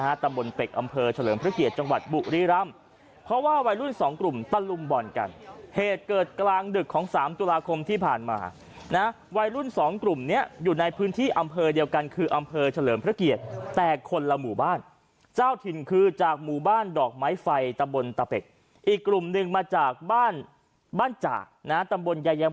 ตำบลเป็กอำเภอเฉลิมพระเกียรติจังหวัดบุรีรำเพราะว่าวัยรุ่นสองกลุ่มตะลุมบ่อนกันเหตุเกิดกลางดึกของสามตุลาคมที่ผ่านมานะวัยรุ่นสองกลุ่มเนี้ยอยู่ในพื้นที่อำเภอเดียวกันคืออำเภอเฉลิมพระเกียรติแต่คนละหมู่บ้านเจ้าถิ่นคือจากหมู่บ้านดอกไม้ไฟตำบลตะเป็กอีกกลุ่มหนึ่งมาจากบ้านบ้านจากนะตำบลยาย